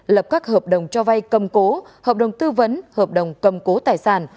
lập các hợp đồng cho vay cầm cố hợp đồng tư vấn hợp đồng cầm cố tài sản